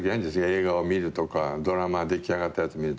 映画を見るとかドラマ出来上がったやつ見るとか。